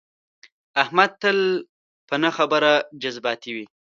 احمد تل په نه خبره جذباتي وي.